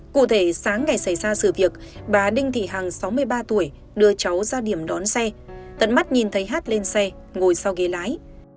cụ thể sáng ngày xảy ra sự việc bà đinh thị hằng sáu mươi ba tuổi đưa cháu ra điểm đón xe tận mắt nhìn thấy hát lên xe ngồi sau ghế lái